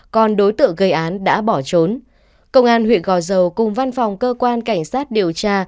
còn đối tượng gây án đã bỏ trốn công an huyện gò dầu cùng văn phòng cơ quan cảnh sát điều tra